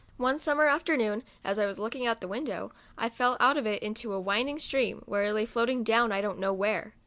One summer afternoon, as I was looking out the window, I fell out of it into a wind ing stream, where I lay floating down I don't know where.